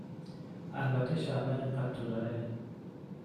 البته شهلا انقدر توداره